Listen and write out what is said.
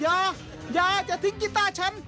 อย่าอย่าอย่าจะทิ้งกิตต้าฉัน